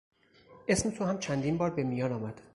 اسم تو هم چندین بار به میان آمد.